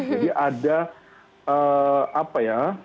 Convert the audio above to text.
jadi ada apa ya